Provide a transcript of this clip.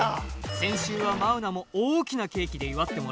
先週はマウナも大きなケーキでいわってもらったなあ。